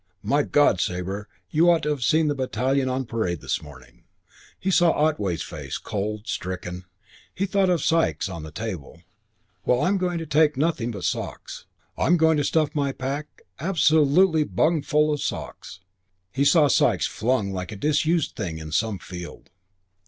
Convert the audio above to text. "My God, Sabre, you ought to have seen the battalion on parade this morning." He saw Otway's face cold and stricken. He thought of Sikes, on the table. "Well, I'm going to take nothing but socks. I'm going to stuff my pack absolutely bung full of socks." He saw Sikes flung like a disused thing in some field....